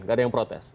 nggak ada yang protes